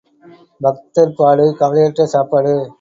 பத்தர் பாடு கவலையற்ற சாப்பாடு.